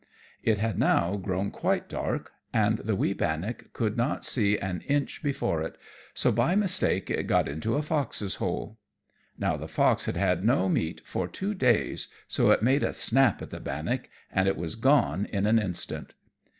It had now grown quite dark, and the wee bannock could not see an inch before it, so by mistake it got into a fox's hole. Now the fox had had no meat for two days, so it made a snap at the bannock and it was gone in an instant.